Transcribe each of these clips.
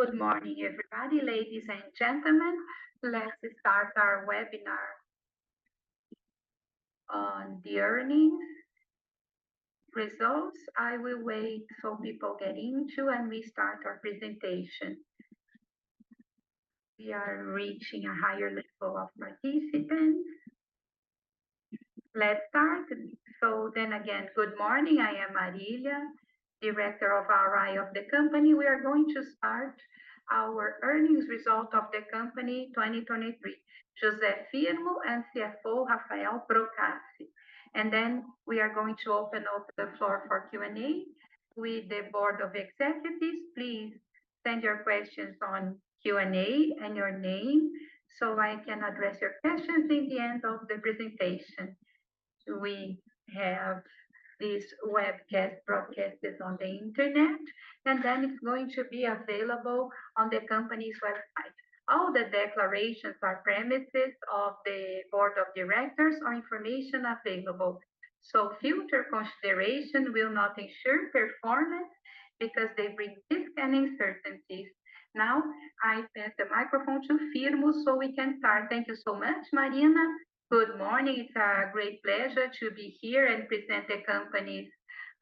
Hello, good morning everybody, ladies and gentlemen. Let's start our webinar on the earnings results. I will wait for people to get in, and we start our presentation. We are reaching a higher level of participants. Let's start. So then again, good morning, I am Marília, Director of RI of the company. We are going to start our earnings result of the company 2023, José Firmo and CFO Rafael Procaci. And then we are going to open up the floor for Q&A with the board of executives. Please send your questions on Q&A and your name so I can address your questions in the end of the presentation. We have this webcast broadcasted on the internet, and then it's going to be available on the company's website. All the declarations are premises of the board of directors, or information available. Future consideration will not ensure performance because they bring risk and uncertainties. Now I pass the microphone to Firmo so we can start. Thank you so much, Marília. Good morning. It's a great pleasure to be here and present the company's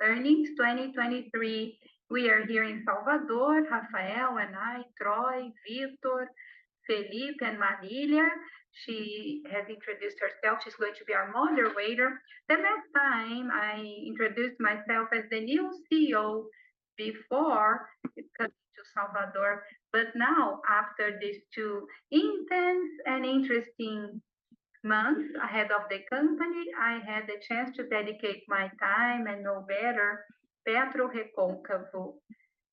earnings 2023. We are here in Salvador, Rafael and I, Troy, Vítor, Felipe, and Marília. She has introduced herself. She's going to be our moderator. The last time I introduced myself as the new CEO before coming to Salvador, but now, after these two intense and interesting months ahead of the company, I had the chance to dedicate my time and know better PetroReconcavo.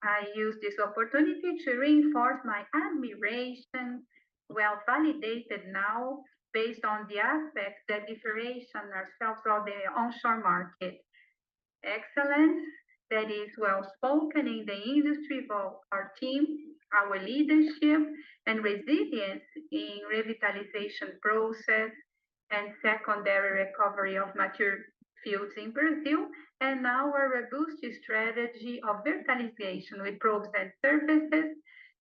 I use this opportunity to reinforce my admiration, well validated now based on the aspects that differentiate ourselves from the onshore market. Excellence that is well spoken in the industry of our team, our leadership, and resilience in the revitalization process and secondary recovery of mature fields in Brazil, and our robust strategy of verticalization with rigs and services.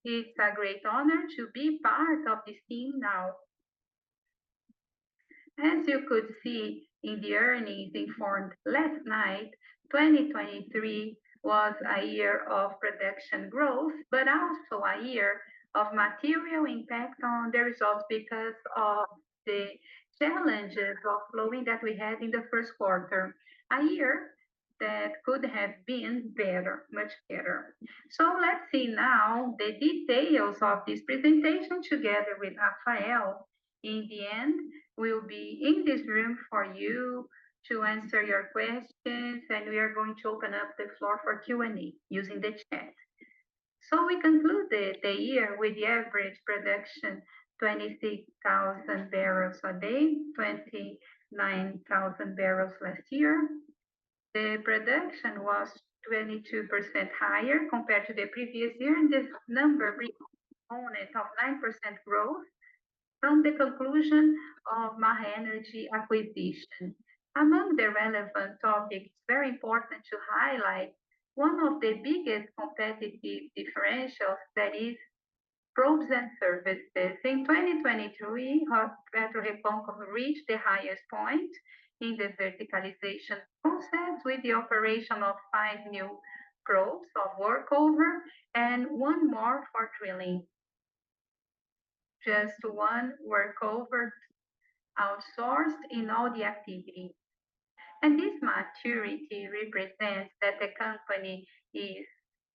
It's a great honor to be part of this team now. As you could see in the earnings information last night, 2023 was a year of production growth, but also a year of material impact on the results because of the challenges of flowing that we had in the first quarter, a year that could have been better, much better. So let's see now the details of this presentation together with Rafael. In the end, we'll be in this room for you to answer your questions, and we are going to open up the floor for Q&A using the chat. So we concluded the year with the average production 26,000 barrels a day, 29,000 barrels last year. The production was 22% higher compared to the previous year, and this number represented 9% growth from the conclusion of Maha Energy acquisition. Among the relevant topics, it's very important to highlight one of the biggest competitive differentials that is rigs and services. In 2023, PetroReconcavo reached the highest point in the verticalization process with the operation of five new rigs of workover and one more for drilling. Just one workover outsourced in all the activities. And this maturity represents that the company is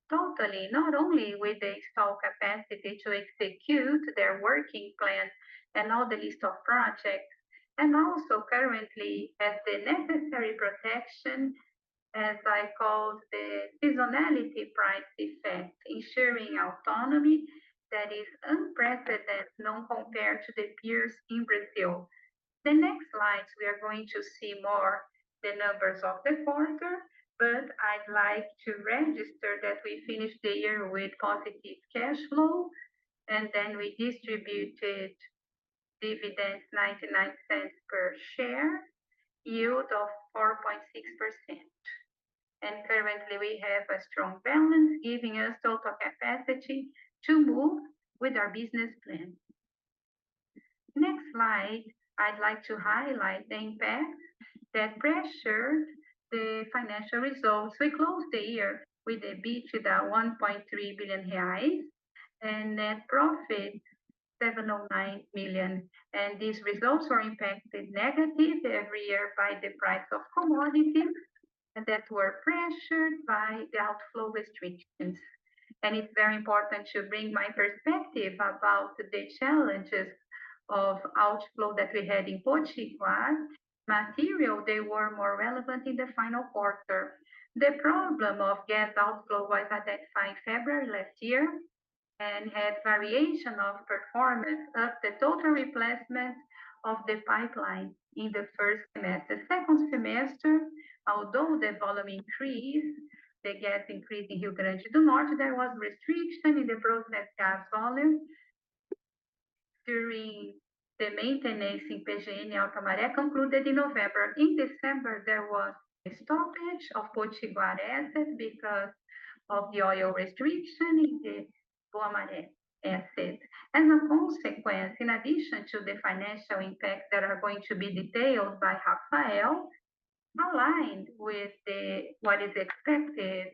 totally not only with the installed capacity to execute their working plan and all the list of projects, and also currently has the necessary protection, as I called the seasonality price effect, ensuring autonomy that is unprecedented compared to the peers in Brazil. The next slides, we are going to see more the numbers of the quarter, but I'd like to register that we finished the year with positive cash flow, and then we distributed dividends $0.99 per share, yield of 4.6%. Currently we have a strong balance giving us total capacity to move with our business plan. Next slide, I'd like to highlight the impact that pressured the financial results. We closed the year with a EBITDA 1.3 billion reais and net profit 709 million. And these results were impacted negatively every year by the price of commodities, and that were pressured by the outflow restrictions. And it's very important to bring my perspective about the challenges of outflow that we had in Potiguar. Materially, they were more relevant in the final quarter. The problem of gas outflow was identified in February last year and had variation of performance of the total replacement of the pipeline in the first semester. Second semester, although the volume increased, the gas increased in Rio Grande do Norte. There was restriction in the process gas volume during the maintenance in UPGN Guamaré concluded in November. In December, there was a stoppage of Potiguar assets because of the oil restriction in the Guamaré assets. As a consequence, in addition to the financial impacts that are going to be detailed by Rafael, aligned with what is expected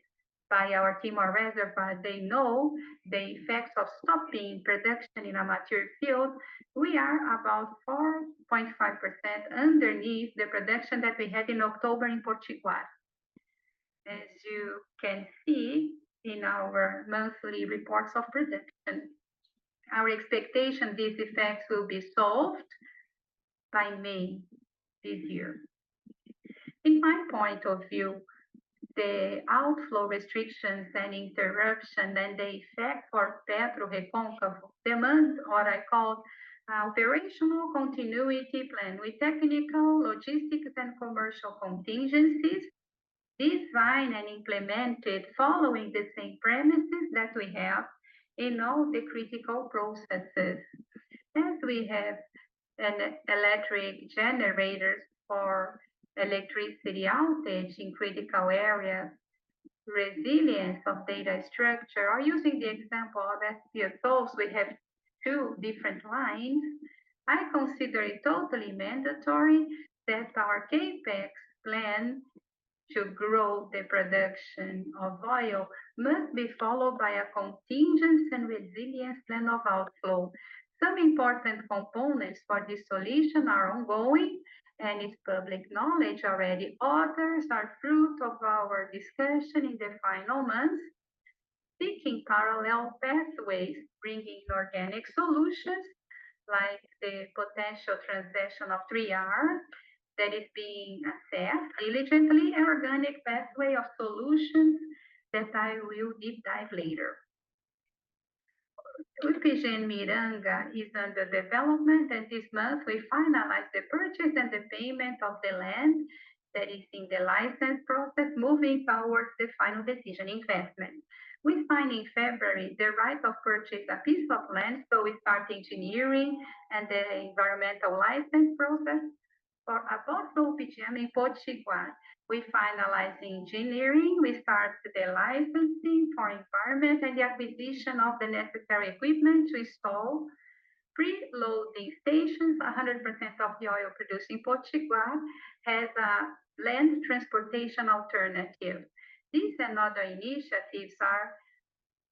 by our team or reservoir, they know the effects of stopping production in a mature field. We are about 4.5% underneath the production that we had in October in Potiguar, as you can see in our monthly reports of production. Our expectation these effects will be solved by May this year. In my point of view, the outflow restrictions and interruption and the effect for PetroReconcavo demand what I called an operational continuity plan with technical, logistics, and commercial contingencies designed and implemented following the same premises that we have in all the critical processes. As we have electric generators for electricity outage in critical areas, resilience of data structure, or using the example of FPSOs, we have two different lines. I consider it totally mandatory that our CAPEX plan to grow the production of oil must be followed by a contingency and resilience plan of outflow. Some important components for this solution are ongoing, and it's public knowledge already. Others are fruit of our discussion in the final months. Seeking parallel pathways, bringing in organic solutions like the potential transaction of 3R that is being assessed diligently, an organic pathway of solutions that I will deep dive later. UPGN Miranga is under development, and this month we finalized the purchase and the payment of the land that is in the license process moving towards the final decision investment. We signed in February the right of purchase a piece of land, so we start engineering and the environmental license process. For both UPGN and Potiguar, we finalized engineering. We started the licensing for environment and the acquisition of the necessary equipment to install preloading stations. 100% of the oil produced in Potiguar has a land transportation alternative. These and other initiatives are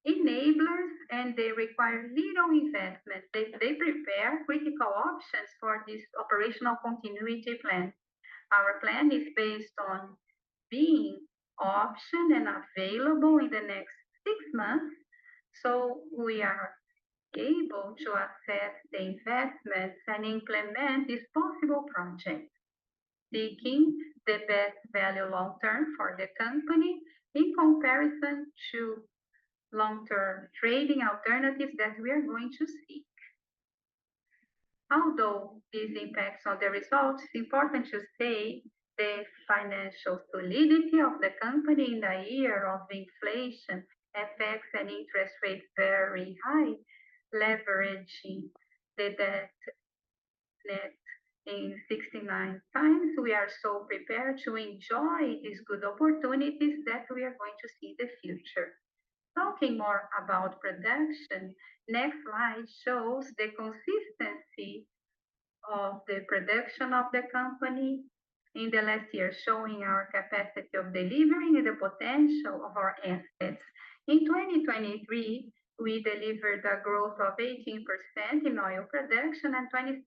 enablers, and they require little investment. They prepare critical options for this operational continuity plan. Our plan is based on being optioned and available in the next 6 months, so we are able to assess the investments and implement these possible projects, seeking the best value long term for the company in comparison to long term trading alternatives that we are going to seek. Although these impacts on the results, it's important to say the financial solidity of the company in the year of inflation affects an interest rate very high. Leveraging the debt net in 0.69x, we are so prepared to enjoy these good opportunities that we are going to see in the future. Talking more about production, the next slide shows the consistency of the production of the company in the last year, showing our capacity of delivering and the potential of our assets. In 2023, we delivered a growth of 18% in oil production and 27%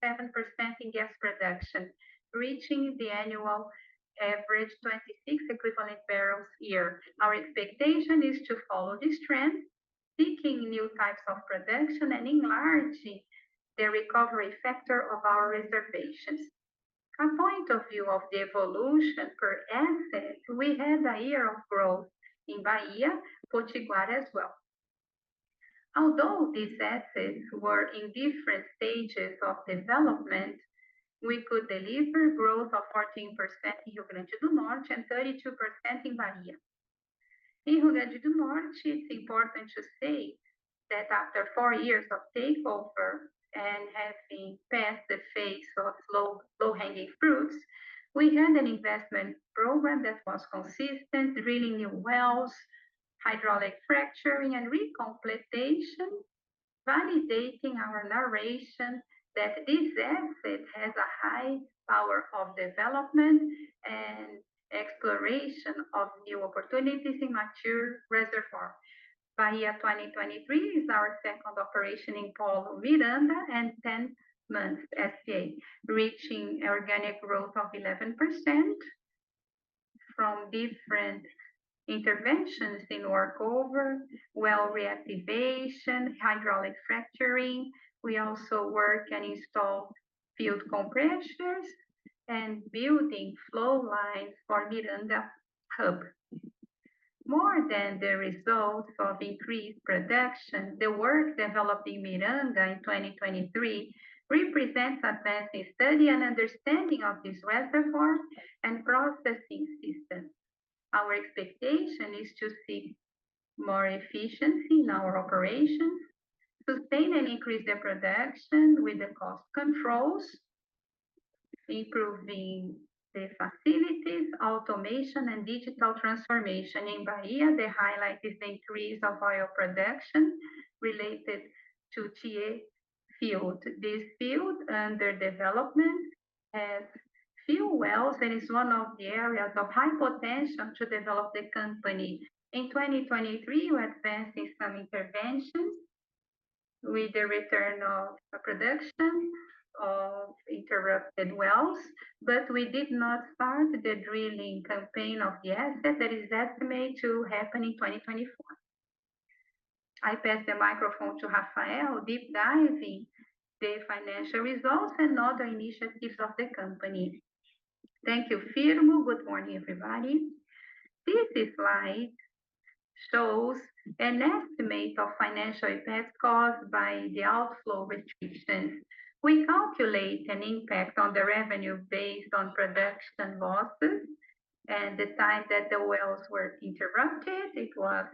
in gas production, reaching the annual average 26 equivalent barrels a year. Our expectation is to follow this trend, seeking new types of production and enlarging the recovery factor of our reserves. From the point of view of the evolution per asset, we had a year of growth in Bahia, Potiguar as well. Although these assets were in different stages of development, we could deliver growth of 14% in Rio Grande do Norte and 32% in Bahia. In Rio Grande do Norte, it's important to say that after four years of takeover and having passed the phase of low-hanging fruits, we had an investment program that was consistent, drilling new wells, hydraulic fracturing, and recompletion, validating our narrative that this asset has a high power of development and exploration of new opportunities in mature reservoirs. Bahia 2023 is our second operation in Polo Miranga and 10 months SPA, reaching organic growth of 11% from different interventions in workover, well reactivation, hydraulic fracturing. We also work and install field compressors and building flow lines for Miranga Hub. More than the results of increased production, the work developed in Miranga in 2023 represents advancing study and understanding of this reservoir and processing system. Our expectation is to see more efficiency in our operations, sustain and increase the production with the cost controls, improving the facilities, automation, and digital transformation. In Bahia, the highlight is the increase of oil production related to Tiê field. This field under development has few wells and is one of the areas of high potential to develop the company. In 2023, we advanced in some interventions with the return of production of interrupted wells, but we did not start the drilling campaign of the asset that is estimated to happen in 2024. I pass the microphone to Rafael, deep diving the financial results and other initiatives of the company. Thank you, Firmo. Good morning, everybody. This slide shows an estimate of financial impact caused by the outflow restrictions. We calculate an impact on the revenue based on production losses and the time that the wells were interrupted. It was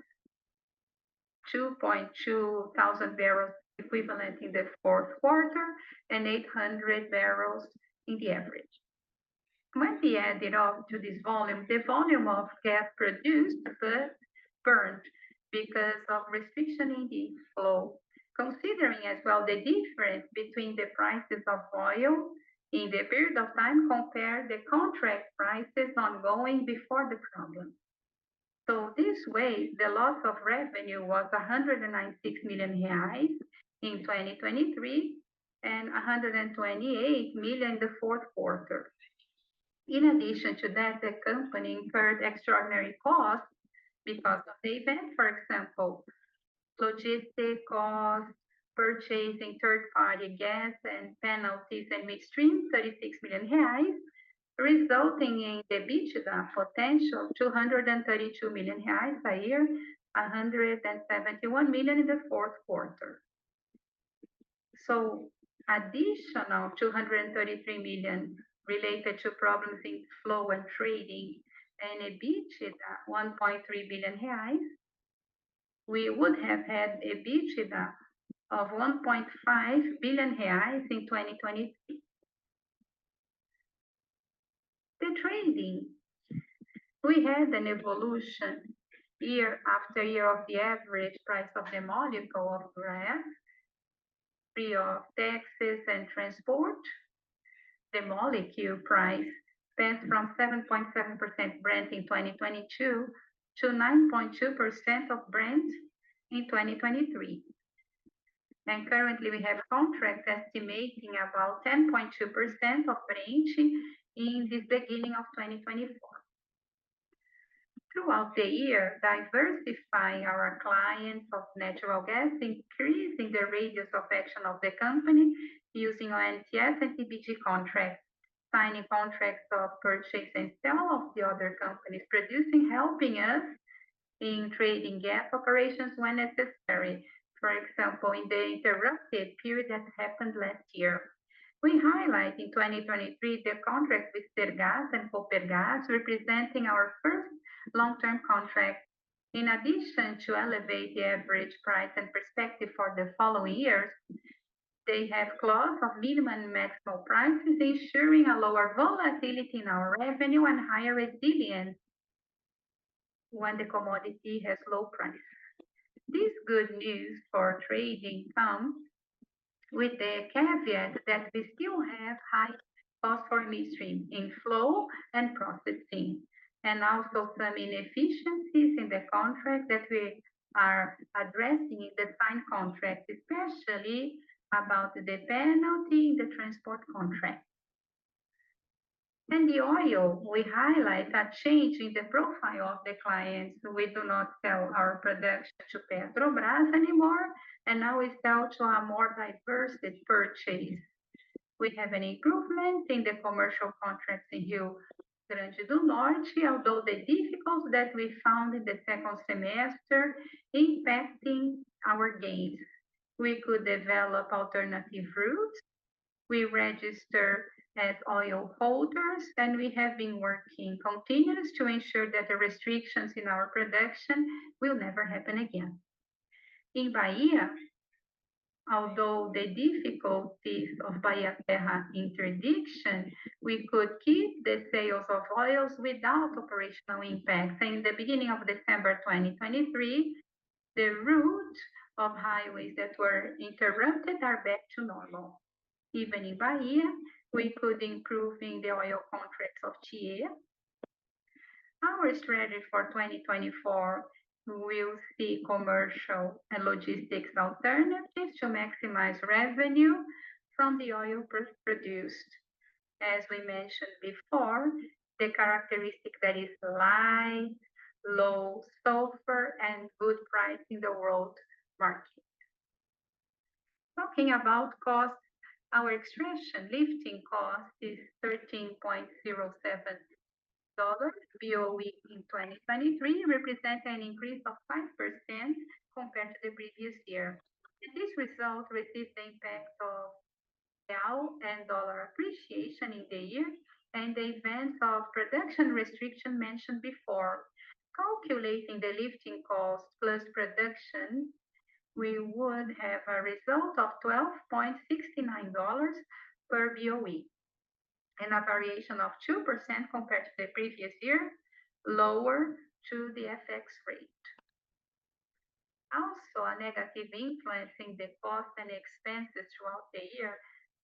2,200 barrels equivalent in the fourth quarter and 800 barrels in the average. When we added up to this volume, the volume of gas produced but burned because of restriction in the flow, considering as well the difference between the prices of oil in the period of time compared to the contract prices ongoing before the problem. So this way, the loss of revenue was 196 million reais in 2023 and 128 million in the fourth quarter. In addition to that, the company incurred extraordinary costs because of the event, for example, logistic costs, purchasing third-party gas and penalties and maintenance, 36 million reais, resulting in the EBITDA potential of 232 million reais a year, 171 million in the fourth quarter. So additional 233 million related to problems in flow and trading and an EBITDA of 1.3 billion reais. We would have had an EBITDA of 1.5 billion reais in 2023. The trading. We had an evolution year after year of the average price of the molecule of gas, free of taxes and transport. The molecule price went from 7.7% Brent in 2022 to 9.2% of Brent in 2023. And currently we have contracts estimating about 10.2% of Brent in the beginning of 2024. Throughout the year, diversifying our clients of natural gas, increasing the radius of action of the company using TAG and TBG contracts, signing contracts of purchase and sell of the other companies, producing, helping us in trading gas operations when necessary. For example, in the interrupted period that happened last year. We highlight in 2023 the contract with Sergas and Copergás, representing our first long-term contract. In addition to elevating the average price and perspective for the following years, they have clauses of minimum and maximum prices, ensuring a lower volatility in our revenue and higher resilience when the commodity has low prices. This good news for trading comes with the caveat that we still have high phosphorus mainstream in flow and processing, and also some inefficiencies in the contract that we are addressing in the signed contract, especially about the penalty in the transport contract. The oil, we highlight a change in the profile of the clients. We do not sell our production to Petrobras anymore, and now we sell to a more diverse purchase. We have an improvement in the commercial contracts in Rio Grande do Norte, although the difficulties that we found in the second semester are impacting our gains. We could develop alternative routes. We register as oil holders, and we have been working continuously to ensure that the restrictions in our production will never happen again. In Bahia, although the difficulties of Bahia Terra interdiction, we could keep the sales of oils without operational impacts. In the beginning of December 2023, the routes of highways that were interrupted are back to normal. Even in Bahia, we could improve in the oil contracts of Tiê. Our strategy for 2024 will see commercial and logistics alternatives to maximize revenue from the oil produced. As we mentioned before, the characteristic that is light, low sulfur, and good price in the world market. Talking about costs, our extraction lifting cost is $13.07 BOE in 2023, representing an increase of 5% compared to the previous year. And this result received the impact of Real and dollar appreciation in the year and the events of production restriction mentioned before. Calculating the lifting cost plus production, we would have a result of $12.69 per BOE, and a variation of 2% compared to the previous year, lower to the FX rate. Also, a negative influence in the costs and expenses throughout the year,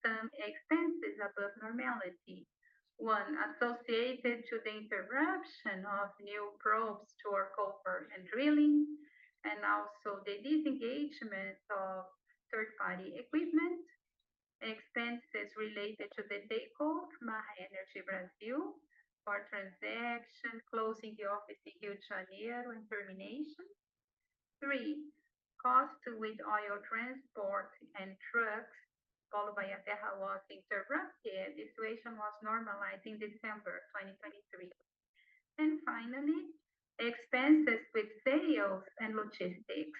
some expenses above normality, one associated with the interruption of new rigs to our Capex and drilling, and also the disengagement of third-party equipment, expenses related to the takeover, Maha Energy Brasil for transaction, closing the office in Rio de Janeiro and termination. Three, costs with oil transport and trucks, followed by a Bahia Terra loss interrupted. The situation was normalized in December 2023. Finally, expenses with sales and logistics,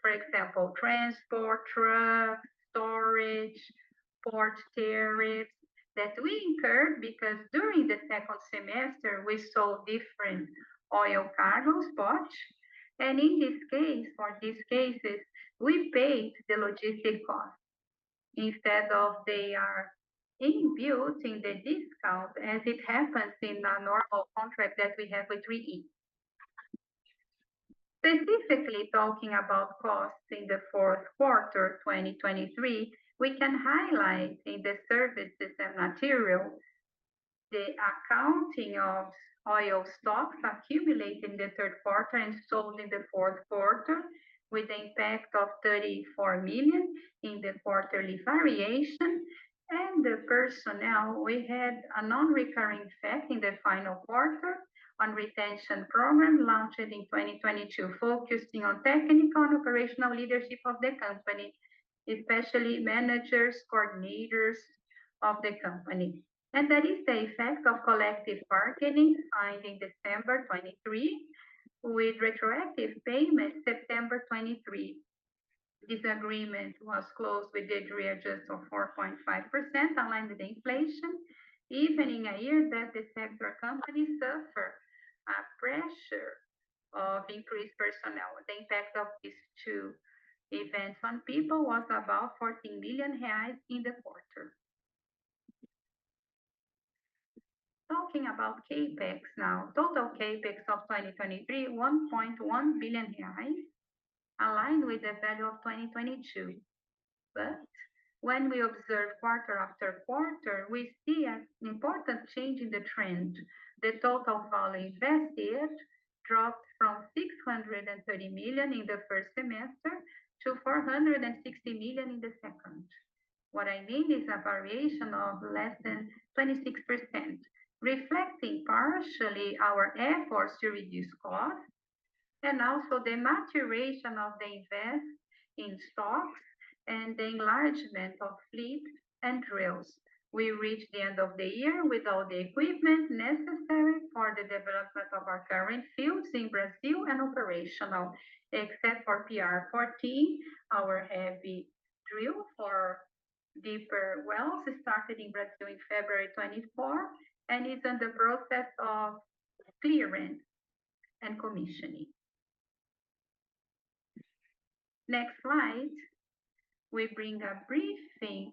for example, transport, trucks, storage, port tariffs that we incurred because during the second semester we saw different oil cargo spots. And in this case, for these cases, we paid the logistic costs instead of they are inbuilt in the discount as it happens in a normal contract that we have with 3R. Specifically talking about costs in the fourth quarter 2023, we can highlight in the services and material the accounting of oil stocks accumulating in the third quarter and sold in the fourth quarter with the impact of 34 million in the quarterly variation. The personnel, we had a non-recurring effect in the final quarter on the retention program launched in 2022, focusing on technical and operational leadership of the company, especially managers, coordinators of the company. That is the effect of collective bargaining signed in December 2023 with retroactive payments in September 2023. This agreement was closed with a readjust of 4.5% aligned with inflation, even in a year that the sector companies suffer a pressure of increased personnel. The impact of these two events on people was about 14 million reais in the quarter. Talking about CapEx now, total CapEx of 2023, 1.1 billion reais, aligned with the value of 2022. But when we observe quarter after quarter, we see an important change in the trend. The total volume invested dropped from 630 million in the first semester to 460 million in the second. What I mean is a variation of less than 26%, reflecting partially our efforts to reduce costs and also the maturation of the investment in stocks and the enlargement of fleets and drills. We reached the end of the year without the equipment necessary for the development of our current fields in Brazil and operational, except for PR-14, our heavy drill for deeper wells started in Brazil in February 2024 and is in the process of clearing and commissioning. Next slide, we bring a briefing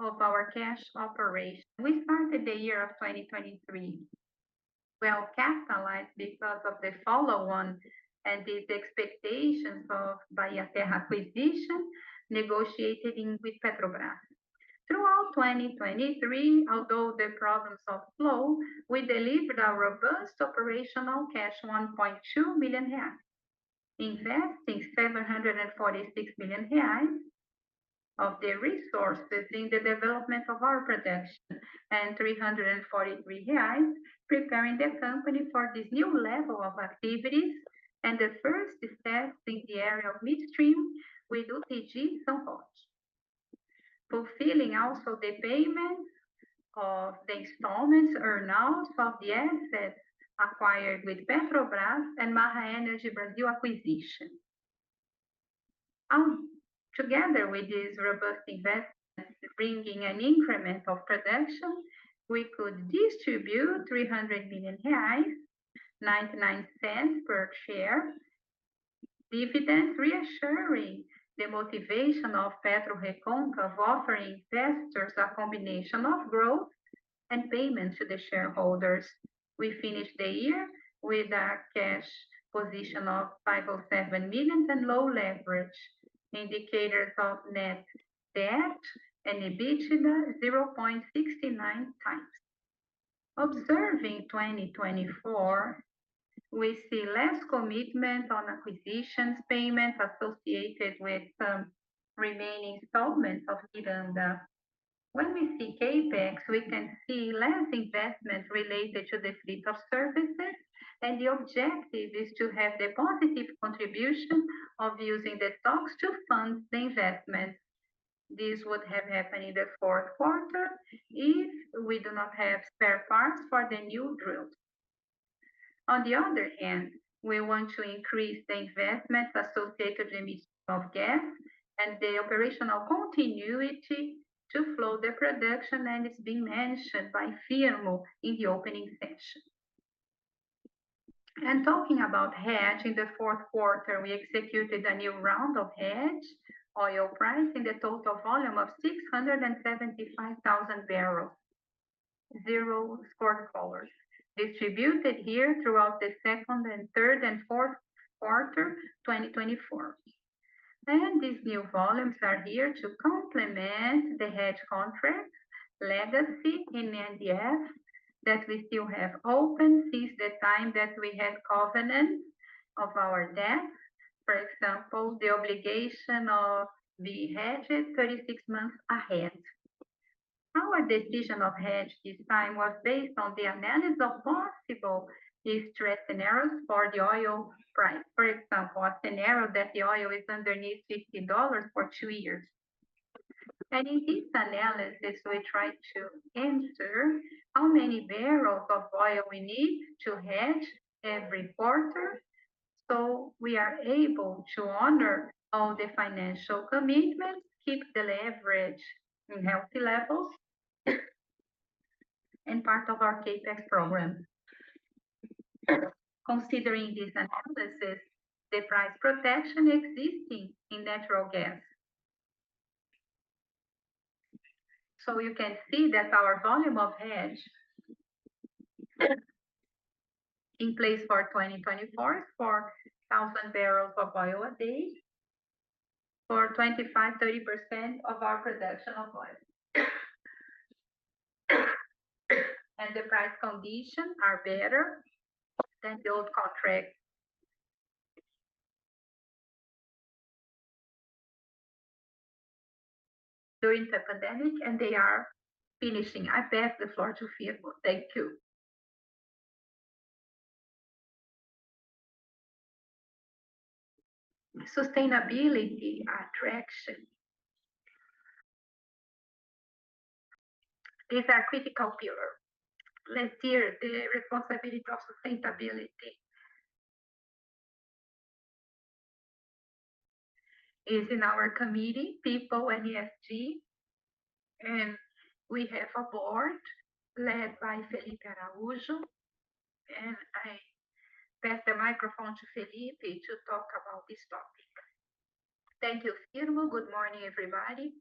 of our cash operation. We started the year of 2023 well capitalized because of the follow-on and these expectations of Bahia Terra acquisition negotiated with Petrobras. Throughout 2023, although the problems of flow, we delivered a robust operational cash of 1.2 million reais, investing 746 million reais of the resources in the development of our production and 343 reais preparing the company for this new level of activities and the first steps in the area of midstream with TBG support, fulfilling also the payments of the installments earn-out of the assets acquired with Petrobras and Maha Energy Brasil acquisition. Together with this robust investment, bringing an increment of production, we could distribute 300 million reais, 0.99 per share, dividends reassuring the motivation of PetroReconcavo of offering investors a combination of growth and payment to the shareholders. We finished the year with a cash position of 507 million and low leverage, indicators of net debt and EBITDA 0.69 times. Observing 2024, we see less commitment on acquisitions payments associated with some remaining installments of Miranga. When we see CAPEX, we can see less investment related to the fleet of services. The objective is to have the positive contribution of using the stocks to fund the investment. This would have happened in the fourth quarter if we do not have spare parts for the new drills. On the other hand, we want to increase the investment associated with the emission of gas and the operational continuity to flow the production, and it's been mentioned by Firmo in the opening session. Talking about hedge, in the fourth quarter, we executed a new round of hedge, oil pricing the total volume of 675,000 barrels, zero-cost collars, distributed here throughout the second, third, and fourth quarter 2024. These new volumes are here to complement the hedge contract legacy in NDFs that we still have open since the time that we had covenants of our debts, for example, the obligation of being hedged 36 months ahead. Our decision of hedge this time was based on the analysis of possible stress scenarios for the oil price. For example, a scenario that the oil is underneath $50 for 2 years. In this analysis, we tried to answer how many barrels of oil we need to hedge every quarter so we are able to honor all the financial commitments, keep the leverage in healthy levels, and part of our CAPEX program. Considering this analysis, the price protection existing in natural gas. So you can see that our volume of hedge in place for 2024 is 4,000 barrels of oil a day for 25%-30% of our production of oil. And the price conditions are better than the old contract during the pandemic, and they are finishing. I pass the floor to Firmo. Thank you. Sustainability attraction. These are critical pillars. Let's hear the responsibility of sustainability. It's in our committee, people, ESG. And we have a board led by Felipe Araújo. And I pass the microphone to Felipe to talk about this topic. Thank you, Firmo. Good morning, everybody.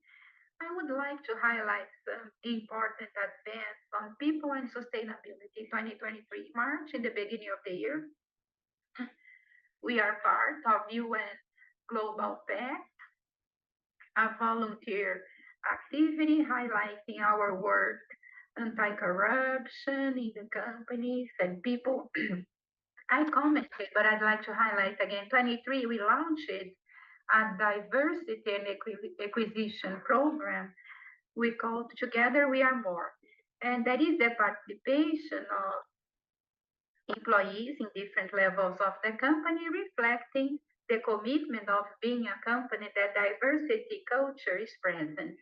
I would like to highlight some important advances on people and sustainability in 2023, March, in the beginning of the year. We are part of UN Global Compact, a volunteer activity highlighting our work anti-corruption in the companies and people. I commented, but I'd like to highlight again. In 2023, we launched a diversity and acquisition program. We called it "Together, we are more." And that is the participation of employees in different levels of the company reflecting the commitment of being a company that diversity culture is present.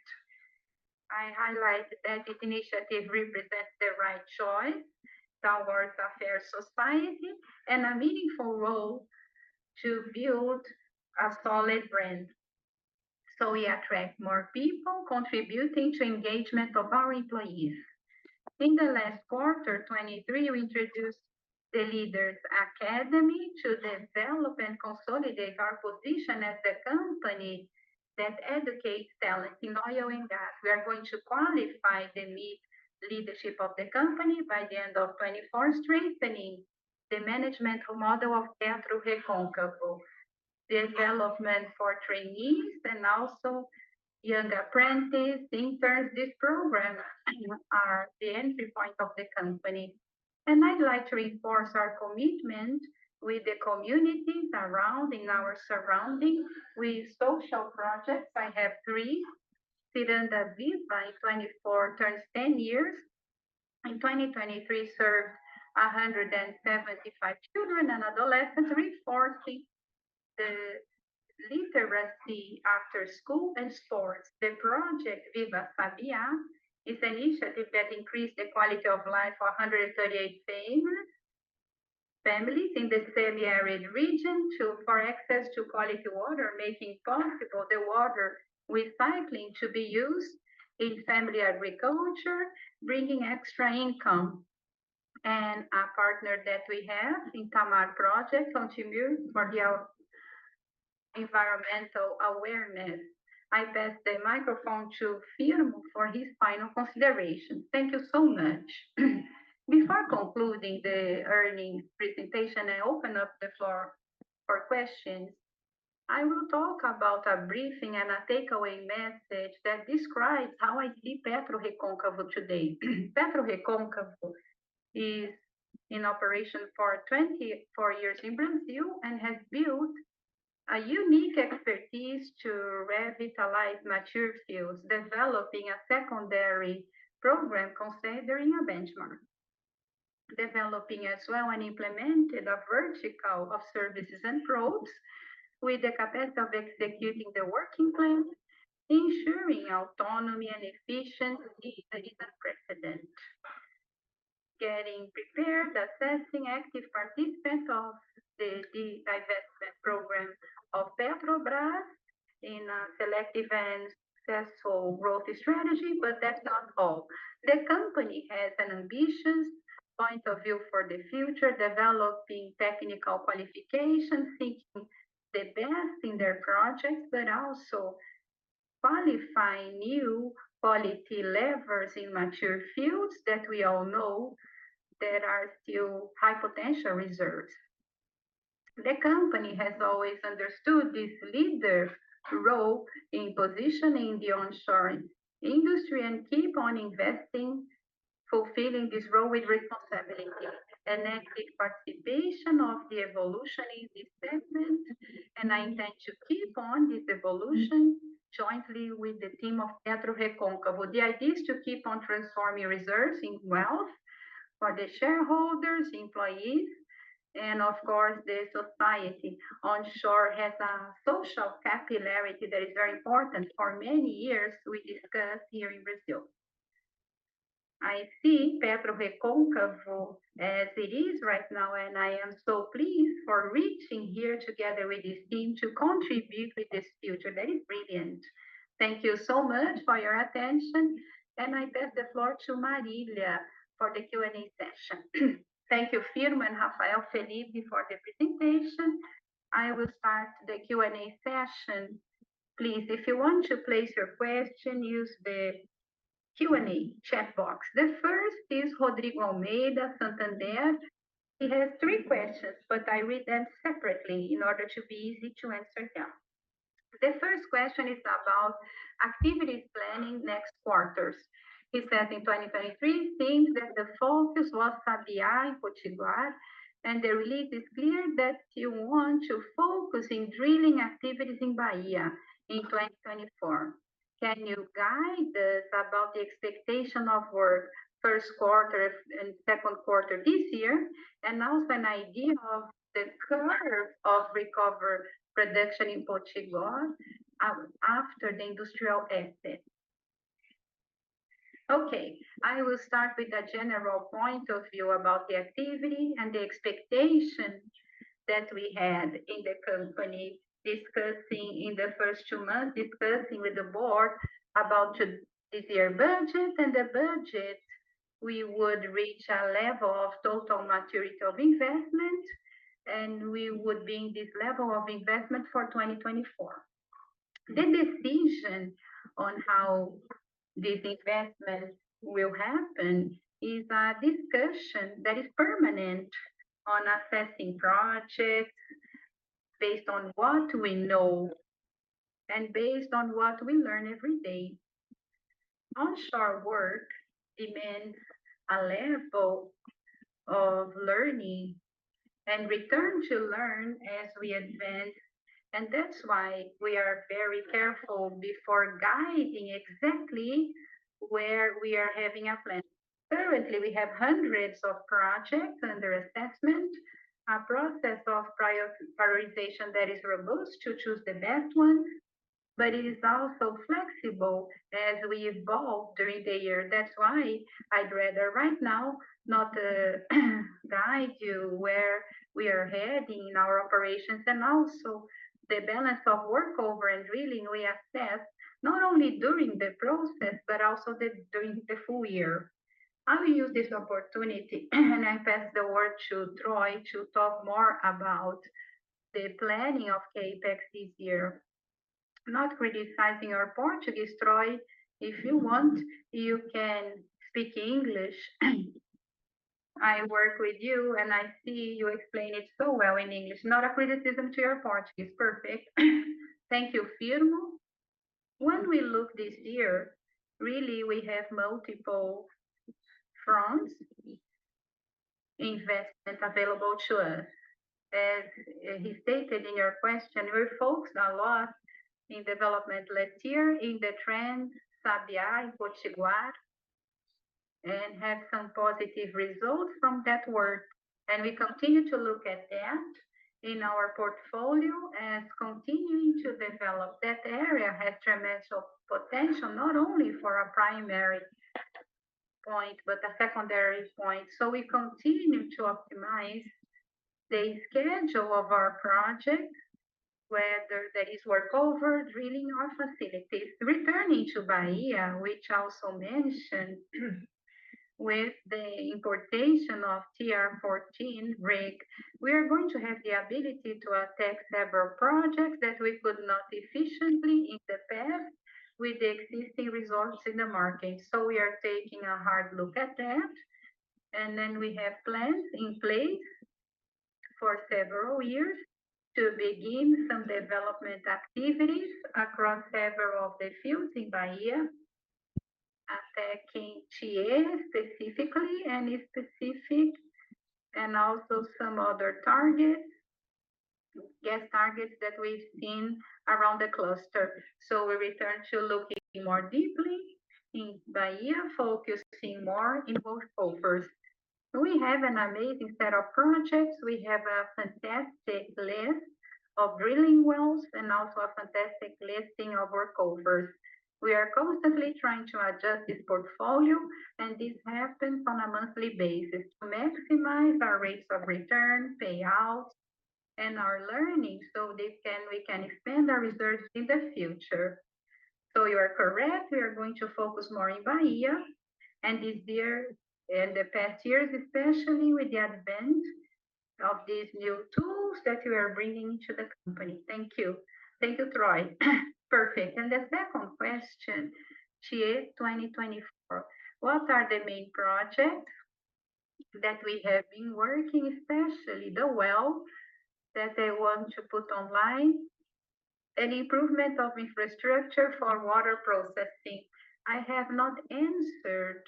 I highlighted that this initiative represents the right choice toward a fair society and a meaningful role to build a solid brand. So we attract more people contributing to the engagement of our employees. In the last quarter, 2023, we introduced the Leaders Academy to develop and consolidate our position as the company that educates talents in oil and gas. We are going to qualify the mid-leadership of the company by the end of 2024, strengthening the management model of PetroReconcavo, the development for trainees and also young apprentices, interns. This program is the entry point of the company. I'd like to reinforce our commitment with the communities around in our surroundings with social projects. I have three. Ciranda Viva in 2024 turns 10 years. In 2023, served 175 children and adolescents, reinforcing the literacy after school and sports. The project Viva o Sabiá is an initiative that increased the quality of life for 138 families in the semi-arid region for access to quality water, making possible the water recycling to be used in family agriculture, bringing extra income. And a partner that we have in Projeto Tamar continues for the environmental awareness. I pass the microphone to Firmo for his final considerations. Thank you so much. Before concluding the earnings presentation, I open up the floor for questions. I will talk about a briefing and a takeaway message that describes how I see PetroReconcavo today. PetroReconcavo is in operation for 24 years in Brazil and has built a unique expertise to revitalize mature fields, developing a secondary program considering a benchmark, developing as well and implementing a vertical of services and rigs with the capacity of executing the working plan, ensuring autonomy and efficiency that is unprecedented, getting prepared, assessing active participants of the investment program of Petrobras in a selective and successful growth strategy. That's not all. The company has an ambitious point of view for the future, developing technical qualifications, thinking the best in their projects, but also qualifying new quality levers in mature fields that we all know that are still high potential reserves. The company has always understood this leader role in positioning the onshore industry and keeps on investing, fulfilling this role with responsibility and active participation of the evolution in this segment. I intend to keep on this evolution jointly with the team of PetroReconcavo. The idea is to keep on transforming reserves in wealth for the shareholders, employees, and of course, the society. Onshore has a social capillarity that is very important, for many years we discussed here in Brazil. I see PetroReconcavo as it is right now, and I am so pleased for reaching here together with this team to contribute with this future. That is brilliant. Thank you so much for your attention. I pass the floor to Marília for the Q&A session. Thank you, Firmo and Rafael, Felipe, for the presentation. I will start the Q&A session. Please, if you want to place your question, use the Q&A chat box. The first is Rodrigo Almeida, Santander. He has three questions, but I read them separately in order to be easy to answer them. The first question is about activities planning next quarters. He said in 2023, he thinks that the focus was Sabiá in Potiguar, and the release is clear that you want to focus on drilling activities in Bahia in 2024. Can you guide us about the expectation of work first quarter and second quarter this year? And also an idea of the curve of recovery production in Potiguar after the industrial assets. Okay, I will start with a general point of view about the activity and the expectation that we had in the company discussing in the first two months, discussing with the board about this year's budget. And the budget, we would reach a level of total maturity of investment, and we would be in this level of investment for 2024. The decision on how this investment will happen is a discussion that is permanent on assessing projects based on what we know and based on what we learn every day. Onshore work demands a level of learning and return to learn as we advance. And that's why we are very careful before guiding exactly where we are having a plan. Currently, we have hundreds of projects under assessment, a process of prioritization that is robust to choose the best one, but it is also flexible as we evolve during the year. That's why I'd rather right now not guide you where we are heading in our operations and also the balance of workover and drilling. We assess not only during the process, but also during the full year. I will use this opportunity, and I pass the word to Troy to talk more about the planning of CAPEX this year, not criticizing our Portuguese. Troy, if you want, you can speak English. I work with you, and I see you explain it so well in English. Not a criticism to your Portuguese. Perfect. Thank you, Firmo. When we look this year, really, we have multiple fronts of investment available to us. As he stated in your question, we focused a lot in development last year in the trend Sabiá in Potiguar and have some positive results from that work. And we continue to look at that in our portfolio as continuing to develop. That area has tremendous potential not only for a primary point, but a secondary point. So we continue to optimize the schedule of our projects, whether that is workover, drilling, or facilities. Returning to Bahia, which I also mentioned, with the importation of the PR-14 rig, we are going to have the ability to attack several projects that we could not efficiently in the past with the existing resources in the market. So we are taking a hard look at that. And then we have plans in place for several years to begin some development activities across several of the fields in Bahia, attacking Tiê specifically and specific, and also some other targets, gas targets that we've seen around the cluster. So we return to looking more deeply in Bahia, focusing more in workovers. We have an amazing set of projects. We have a fantastic list of drilling wells and also a fantastic listing of workovers. We are constantly trying to adjust this portfolio, and this happens on a monthly basis to maximize our rates of return, payouts, and our learning so that we can expand our reserves in the future. So you are correct. We are going to focus more in Bahia and this year and the past years, especially with the advent of these new tools that we are bringing into the company. Thank you. Thank you, Troy. Perfect. And the second question, Tiê 2024, what are the main projects that we have been working, especially the well that I want to put online? An improvement of infrastructure for water processing. I have not answered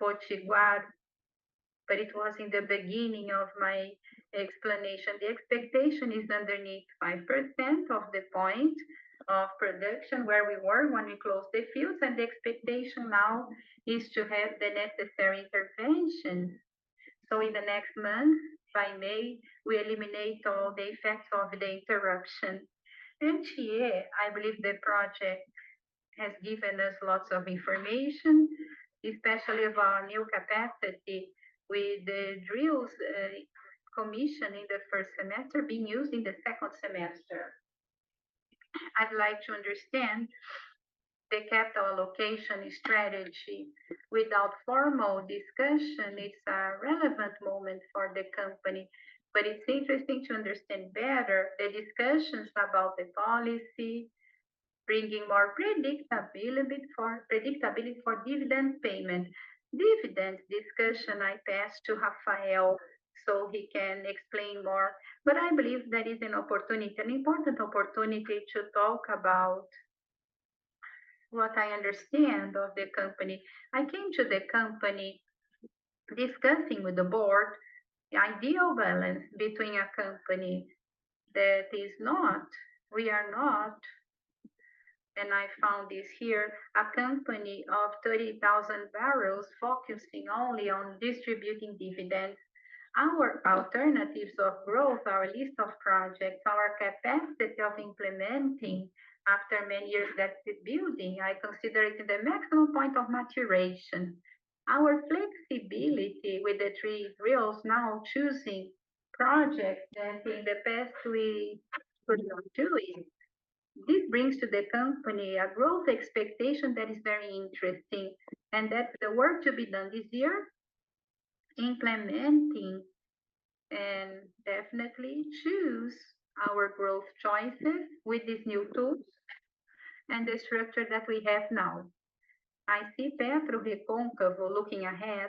Potiguar, but it was in the beginning of my explanation. The expectation is underneath 5% of the point of production where we were when we closed the fields. And the expectation now is to have the necessary interventions. So in the next month, by May, we eliminate all the effects of the interruption. And Tiê, I believe the project has given us lots of information, especially about new capacity with the drills commissioned in the first semester being used in the second semester. I'd like to understand the capital allocation strategy. Without formal discussion, it's a relevant moment for the company, but it's interesting to understand better the discussions about the policy, bringing more predictability for dividend payment. Dividend discussion, I pass to Rafael so he can explain more. But I believe that is an opportunity, an important opportunity to talk about what I understand of the company. I came to the company discussing with the board the ideal balance between a company that is not, we are not, and I found this here, a company of 30,000 barrels focusing only on distributing dividends, our alternatives of growth, our list of projects, our capacity of implementing after many years that's building. I consider it the maximum point of maturation. Our flexibility with the three drills, now choosing projects that in the past we could not do it. This brings to the company a growth expectation that is very interesting and that the work to be done this year, implementing and definitely choose our growth choices with these new tools and the structure that we have now. I see PetroReconcavo looking ahead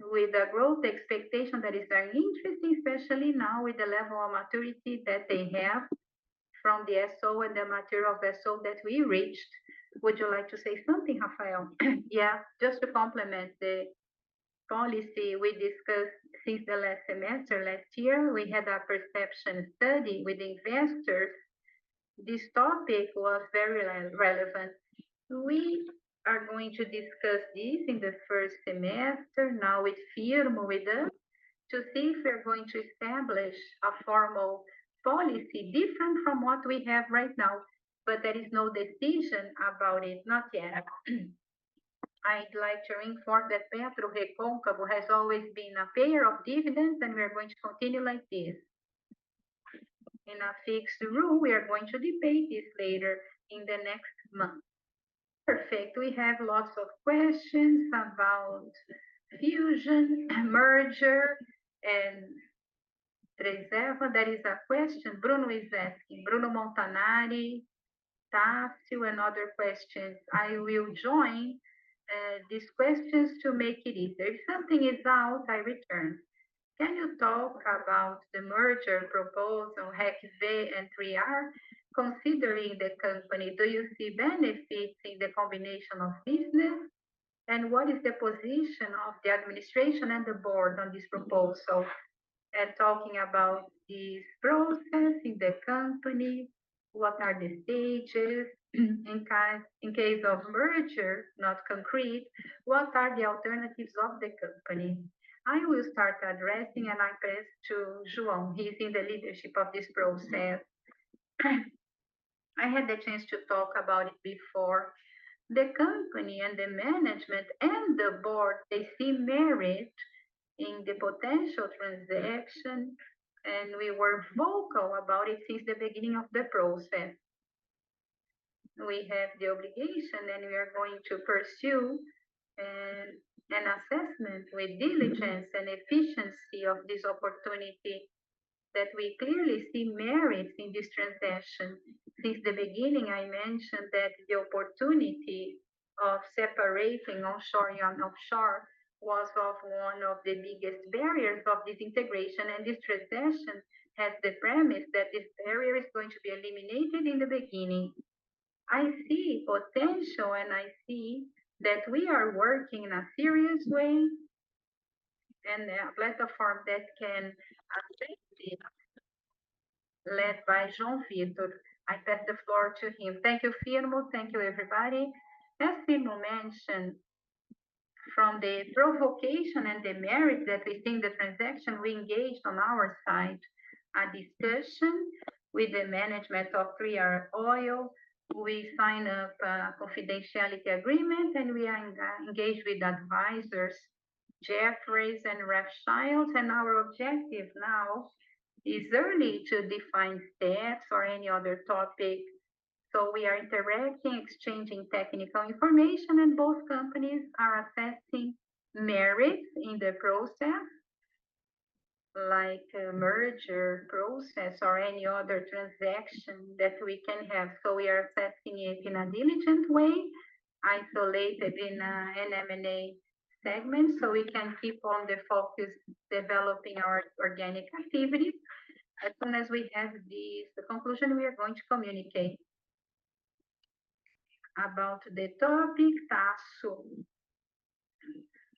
with a growth expectation that is very interesting, especially now with the level of maturity that they have from the SO and the material of the SO that we reached. Would you like to say something, Rafael? Yeah, just to complement the policy we discussed since the last semester, last year, we had a perception study with investors. This topic was very relevant. We are going to discuss this in the first semester, now with Firmo, with us, to see if we are going to establish a formal policy different from what we have right now, but there is no decision about it, not yet. I'd like to reinforce that PetroReconcavo has always been a payer of dividends, and we are going to continue like this. In a fixed rule, we are going to debate this later in the next month. Perfect. We have lots of questions about fusion, merger, and 3R. That is a question Bruno is asking. Bruno Montanari, Tasso, and other questions. I will join these questions to make it easier. If something is out, I return. Can you talk about the merger proposal, RECV, and 3R considering the company? Do you see benefits in the combination of business? What is the position of the administration and the board on this proposal? Talking about this process in the company, what are the stages? In case of merger, not concrete, what are the alternatives of the company? I will start addressing, and I pass to João. He's in the leadership of this process. I had the chance to talk about it before. The company and the management and the board, they see merit in the potential transaction, and we were vocal about it since the beginning of the process. We have the obligation, and we are going to pursue an assessment with diligence and efficiency of this opportunity that we clearly see merit in this transaction. Since the beginning, I mentioned that the opportunity of separating onshore and offshore was one of the biggest barriers of this integration. This transaction has the premise that this barrier is going to be eliminated in the beginning. I see potential, and I see that we are working in a serious way and a platform that can affect this, led by João Vítor. I pass the floor to him. Thank you, Firmo. Thank you, everybody. As Firmo mentioned, from the provocation and the merit that we see in the transaction, we engaged on our side a discussion with the management of 3R Petroleum. We signed up a confidentiality agreement, and we are engaged with advisors, Jefferies and Rothschild. Our objective now is early to define steps or any other topic. So we are interacting, exchanging technical information, and both companies are assessing merit in the process, like a merger process or any other transaction that we can have. So we are assessing it in a diligent way, isolated in an M&A segment, so we can keep on the focus developing our organic activity. As soon as we have this conclusion, we are going to communicate about the topic. Tasso,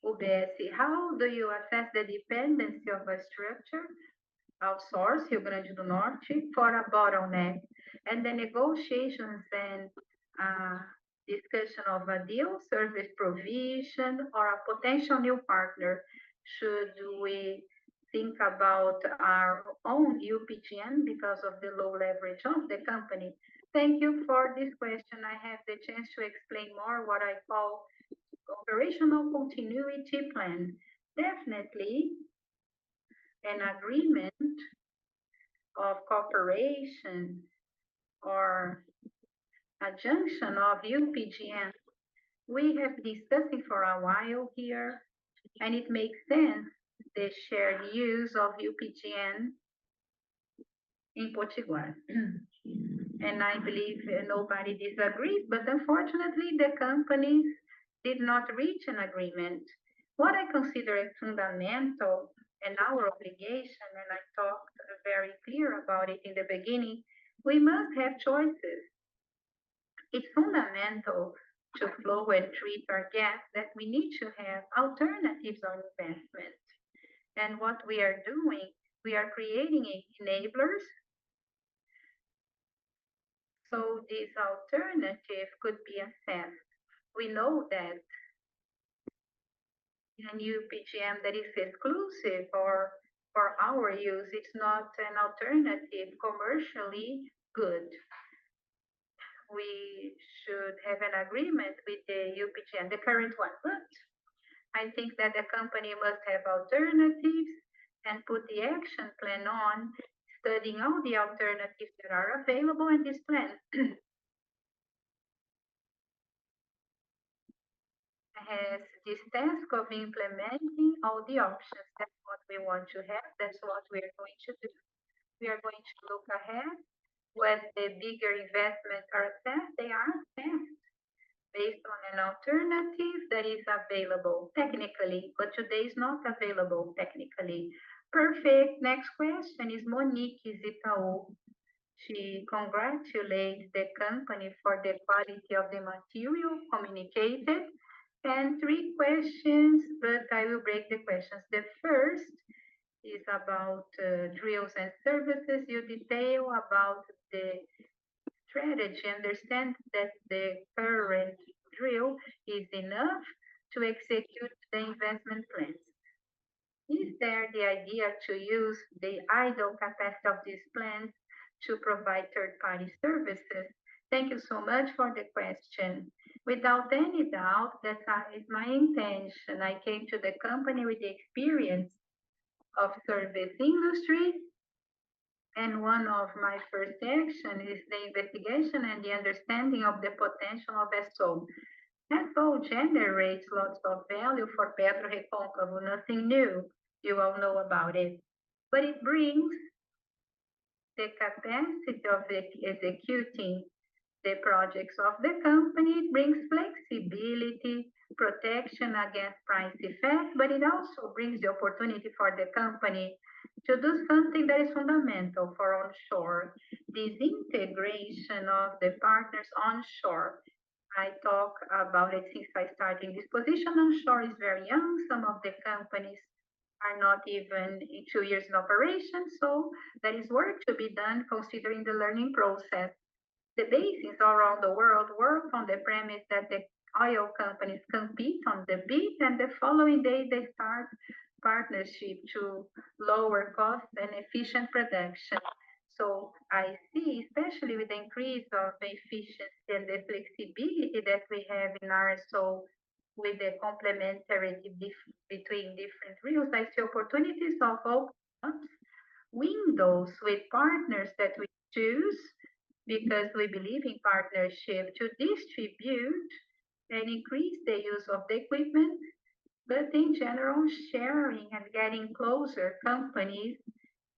UBS, how do you assess the dependency of a structure outsourced, Rio Grande do Norte, for a bottleneck? The negotiations and discussion of a deal, service provision, or a potential new partner, should we think about our own UPGN because of the low leverage of the company? Thank you for this question. I have the chance to explain more what I call the operational continuity plan. Definitely, an agreement of cooperation or a junction of UPGN, we have been discussing for a while here, and it makes sense, the shared use of UPGN in Potiguar. And I believe nobody disagrees, but unfortunately, the companies did not reach an agreement. What I consider fundamental and our obligation, and I talked very clear about it in the beginning, we must have choices. It's fundamental to flow and treat our gas that we need to have alternatives on investment. And what we are doing, we are creating enablers. So this alternative could be assessed. We know that an UPGN that is exclusive or for our use, it's not an alternative commercially good. We should have an agreement with the UPGN, the current one. But I think that the company must have alternatives and put the action plan on, studying all the alternatives that are available in this plan. It has this task of implementing all the options. That's what we want to have. That's what we are going to do. We are going to look ahead. When the bigger investments are assessed, they are assessed based on an alternative that is available technically, but today is not available technically. Perfect. Next question is Monique, Itaú. She congratulates the company for the quality of the material communicated. And three questions, but I will break the questions. The first is about drilling services. You detail about the strategy. Understand that the current drill is enough to execute the investment plans. Is there the idea to use the idle capacity of these plans to provide third-party services? Thank you so much for the question. Without any doubt, that is my intention. I came to the company with the experience of the service industry, and one of my first actions is the investigation and the understanding of the potential of SO. SO generates lots of value for PetroReconcavo. Nothing new. You all know about it. But it brings the capacity of executing the projects of the company. It brings flexibility, protection against price effects, but it also brings the opportunity for the company to do something that is fundamental for onshore. This integration of the partners onshore, I talk about it since I started. This position onshore is very young. Some of the companies are not even two years in operation. There is work to be done considering the learning process. The basins around the world work on the premise that the oil companies compete on the bid, and the following day, they start partnerships to lower costs and efficient production. So I see, especially with the increase of the efficiency and the flexibility that we have in our SO with the complementarity between different drills, I see opportunities of open-up windows with partners that we choose because we believe in partnership to distribute and increase the use of the equipment, but in general, sharing and getting closer companies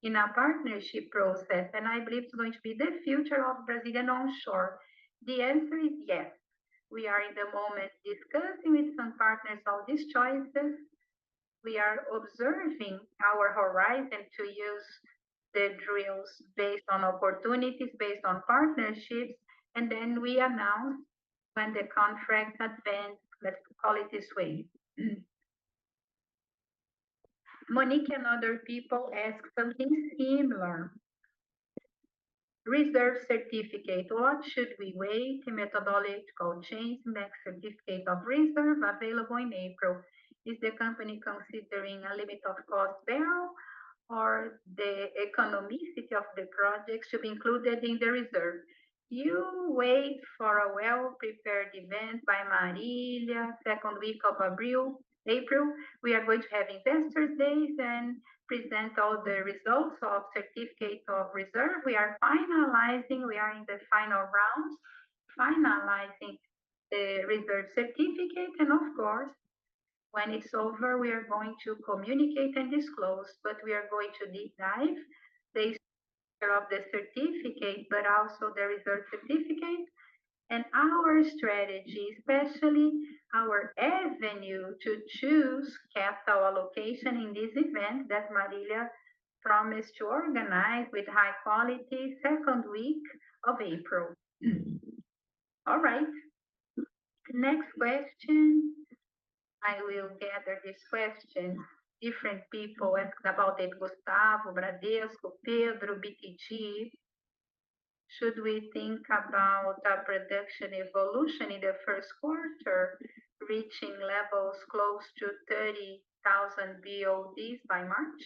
in a partnership process. I believe it's going to be the future of Brazilian onshore. The answer is yes. We are in the moment discussing with some partners all these choices. We are observing our horizon to use the drills based on opportunities, based on partnerships, and then we announce when the contract advances. Let's call it this way. Monique and other people asked something similar. Reserve certificate, what should we wait? A methodological change, SEC certificate of reserve available in April. Is the company considering a limit of cost barrel, or the economicity of the project should be included in the reserve? You wait for a well-prepared event by Marília, second week of April. We are going to have investor's days and present all the results of the certificate of reserve. We are finalizing. We are in the final round, finalizing the reserve certificate. And of course, when it's over, we are going to communicate and disclose, but we are going to deep dive the issue of the certificate, but also the reserve certificate. Our strategy, especially our avenue to choose capital allocation in this event that Marília promised to organize with high quality, second week of April. All right. Next question. I will gather this question. Different people asked about it: Gustavo, Bradesco, Pedro, BTG. Should we think about a production evolution in the first quarter, reaching levels close to 30,000 BOE by March?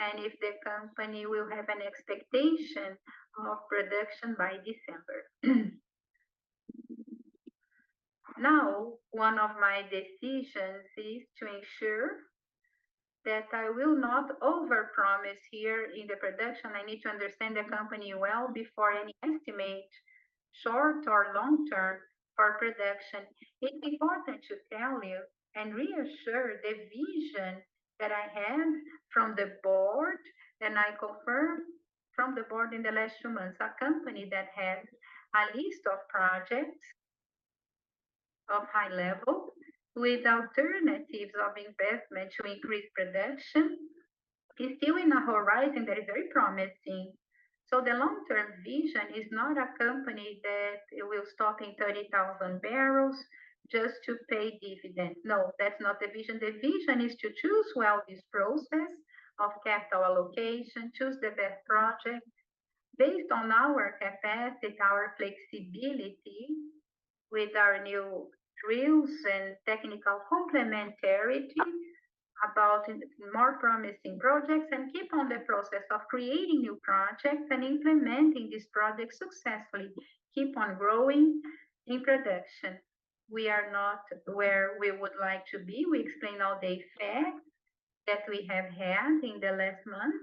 And if the company will have an expectation of production by December? Now, one of my decisions is to ensure that I will not overpromise here in the production. I need to understand the company well before any estimate, short or long-term, for production. It's important to tell you and reassure the vision that I had from the board, and I confirm from the board in the last two months, a company that has a list of projects of high level with alternatives of investment to increase production is still in a horizon that is very promising. So the long-term vision is not a company that will stop in 30,000 barrels just to pay dividends. No, that's not the vision. The vision is to choose well this process of capital allocation, choose the best project based on our capacity, our flexibility with our new drills and technical complementarity about more promising projects, and keep on the process of creating new projects and implementing these projects successfully. Keep on growing in production. We are not where we would like to be. We explain all the effects that we have had in the last month,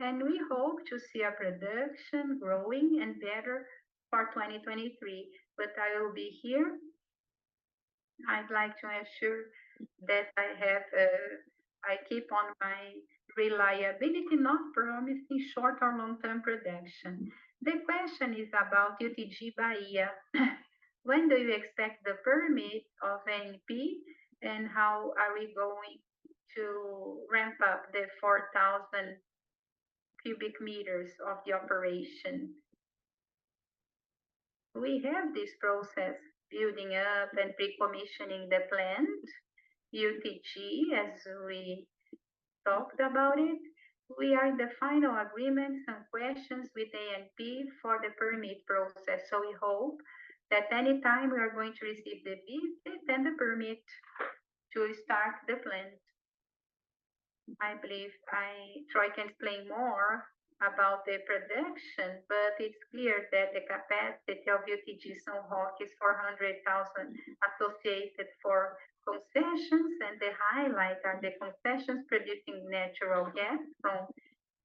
and we hope to see our production growing and better for 2023. But I will be here. I'd like to assure that I have a... I keep on my reliability, not promising short or long-term production. The question is about UTG Bahia. When do you expect the permit of ANP, and how are we going to ramp up the 4,000 cubic meters of the operation? We have this process building up and pre-commissioning the plant, UTG, as we talked about it. We are in the final agreement, some questions with ANP for the permit process. So we hope that anytime we are going to receive the visit and the permit to start the plant, I believe... I try to explain more about the production, but it's clear that the capacity of UTG São Roque is 400,000 associated for concessions, and the highlight are the concessions producing natural gas from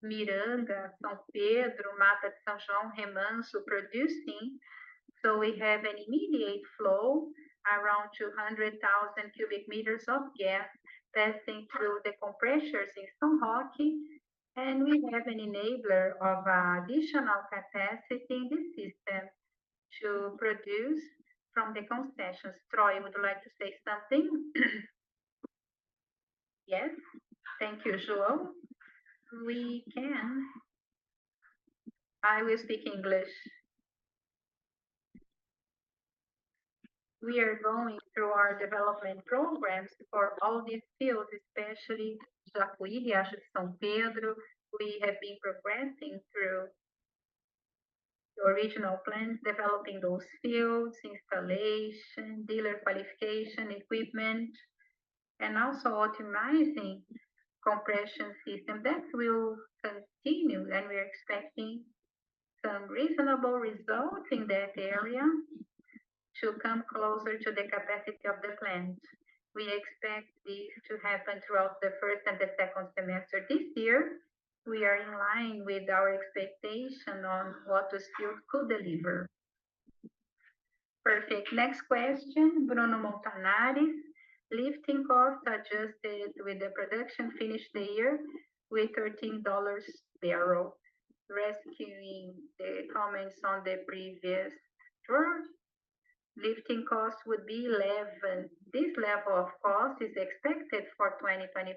Miranga, São Pedro, Mata de São João, Remanso, producing. So we have an immediate flow around 200,000 cubic meters of gas passing through the compressors in São Roque, and we have an enabler of additional capacity in the system to produce from the concessions. Troy, would you like to say something? Yes? Thank you, João. We can. I will speak English. We are going through our development programs for all these fields, especially Jacuípe, and also São Pedro. We have been progressing through the original plans, developing those fields, installation, dealer qualification, equipment, and also optimizing compression systems that will continue, and we are expecting some reasonable results in that area to come closer to the capacity of the plant. We expect this to happen throughout the first and the second semester this year. We are in line with our expectation on what this field could deliver. Perfect. Next question, Bruno Montanari. Lifting costs adjusted with the production finished the year with $13/barrel. Recalling the comments on the previous call, lifting costs would be $11. This level of cost is expected for 2024.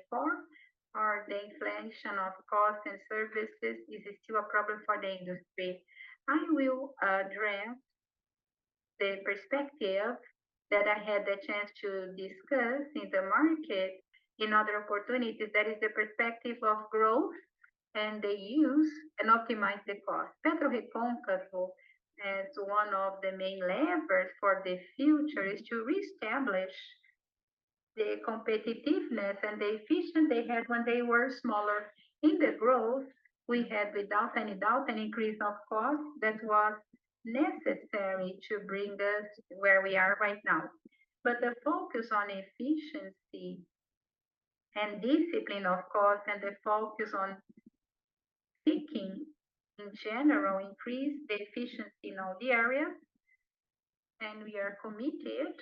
Are the inflation of costs and services still a problem for the industry? I will address the perspective that I had the chance to discuss in the market in other opportunities. That is the perspective of growth and the use and optimize the cost. PetroReconcavo is one of the main levers for the future to reestablish the competitiveness and the efficiency they had when they were smaller in the growth we had, without any doubt, an increase of costs that was necessary to bring us where we are right now. But the focus on efficiency and discipline, of course, and the focus on thinking in general increased the efficiency in all the areas, and we are committed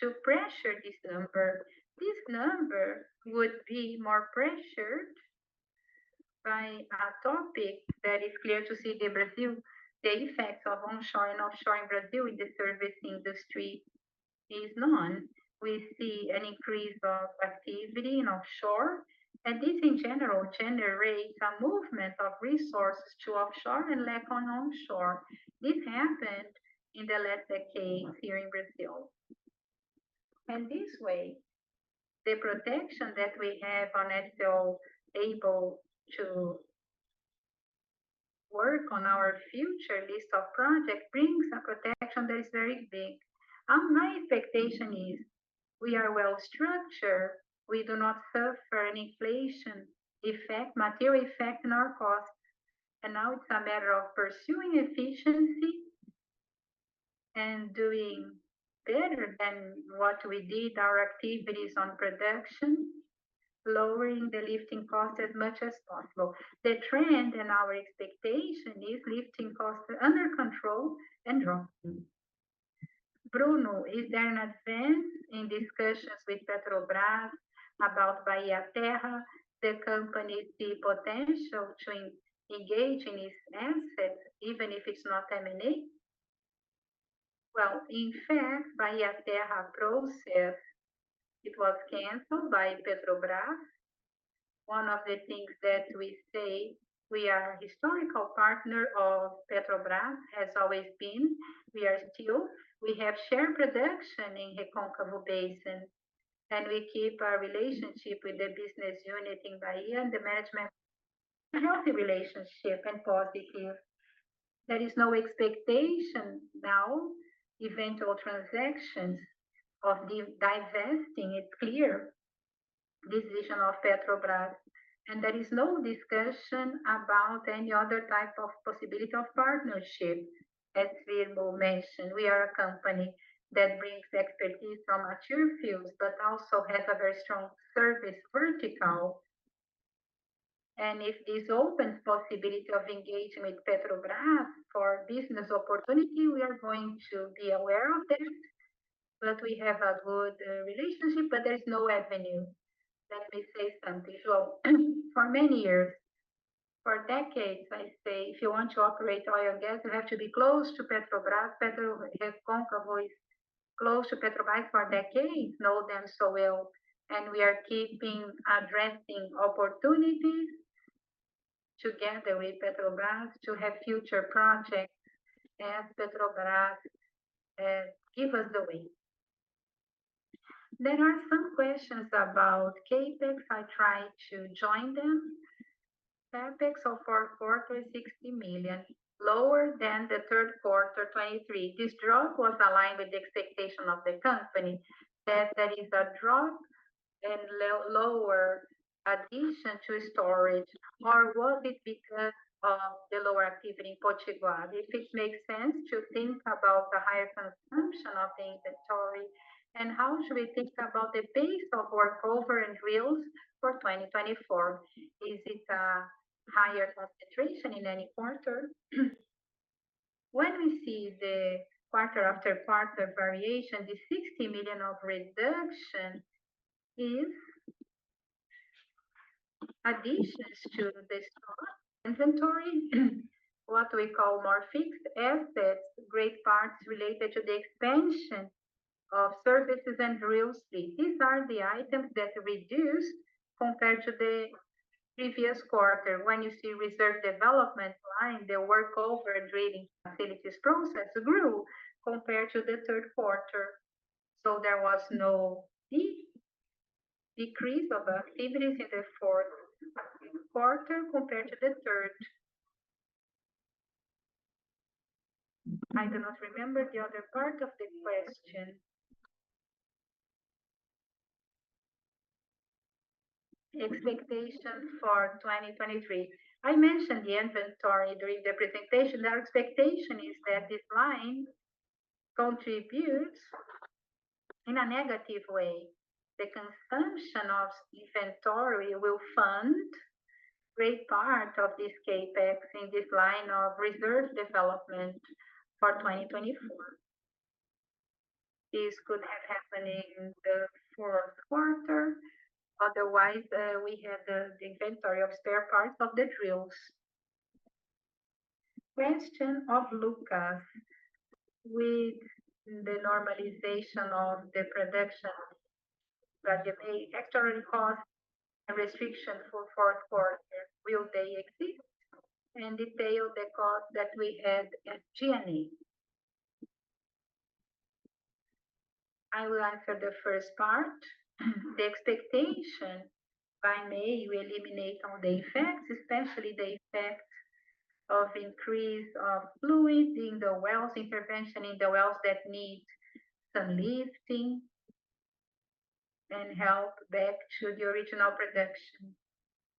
to pressure this number. This number would be more pressured by a topic that is clear to see the Brazil, the effects of onshore and offshore in Brazil in the service industry is known. We see an increase of activity in offshore, and this in general generates a movement of resources to offshore and lack on onshore. This happened in the last decade here in Brazil. And this way, the protection that we have onshore able to work on our future list of projects brings a protection that is very big. My expectation is we are well structured. We do not suffer an inflation effect, material effect in our costs. And now it's a matter of pursuing efficiency and doing better than what we did, our activities on production, lowering the lifting costs as much as possible. The trend and our expectation is lifting costs under control and dropping. Bruno, is there an advance in discussions with Petrobras about Bahia Terra? The company sees potential to engage in this asset, even if it's not M&A? Well, in fact, Bahia Terra process, it was canceled by Petrobras. One of the things that we say we are a historical partner of Petrobras has always been. We are still. We have shared production in Recôncavo Basin, and we keep our relationship with the business unit in Bahia and the management. A healthy relationship and positive. There is no expectation now, eventual transactions of divesting. It's clear decision of Petrobras, and there is no discussion about any other type of possibility of partnership. As Firmo mentioned, we are a company that brings expertise from mature fields, but also has a very strong service vertical. And if this opens possibility of engagement with Petrobras for business opportunity, we are going to be aware of that. But we have a good relationship, but there is no avenue. Let me say something, João. For many years, for decades, I say, if you want to operate oil and gas, you have to be close to Petrobras. PetroReconcavo is close to Petrobras for decades, know them so well. We are keeping addressing opportunities together with Petrobras to have future projects as Petrobras gives us the way. There are some questions about CapEx. I tried to join them. CapEx of four quarters, 60 million, lower than the third quarter, 23 million. This drop was aligned with the expectation of the company that there is a drop and lower addition to storage. Or was it because of the lower activity in Potiguar? If it makes sense to think about the higher consumption of the inventory, and how should we think about the base of workover and drills for 2024? Is it a higher concentration in any quarter? When we see the quarter-over-quarter variation, the 60 million of reduction is additions to the stock inventory, what we call more fixed assets, great parts related to the expansion of services and drill fleet. These are the items that reduced compared to the previous quarter. When you see reserve development line, the workover and drilling facilities process grew compared to the third quarter. So there was no decrease of activities in the fourth quarter compared to the third. I do not remember the other part of the question. Expectations for 2023. I mentioned the inventory during the presentation. Our expectation is that this line contributes in a negative way. The consumption of inventory will fund a great part of this CAPEX in this line of reserve development for 2024. This could have happened in the fourth quarter. Otherwise, we had the inventory of spare parts of the drills. Question of Lucas. With the normalization of the production, but the facility cost restriction for fourth quarter, will they exist? And detail the cost that we had at G&A. I will answer the first part. The expectation by May, we eliminate all the effects, especially the effect of increase of fluid in the wells, intervention in the wells that need some lifting and help back to the original production.